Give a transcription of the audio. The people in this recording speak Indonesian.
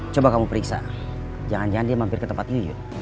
coba kamu periksa jangan jangan dia mampir ke tempat yuk